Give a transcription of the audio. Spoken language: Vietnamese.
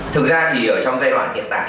thực ra thì ở trong giai đoạn hiện tại